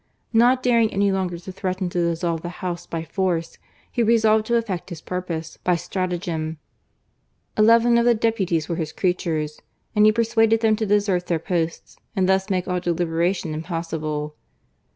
Not daring any longer to threaten to dissolve the House by force, he resolved to effect his purpose by stratagem. Eleven of the deputies were his creatures, and he persuaded PARLIAMENTARY OPPOSITION. 73 them to desert their posts and thus make all delibera tion impossible.